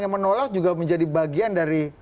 yang menolak juga menjadi bagian dari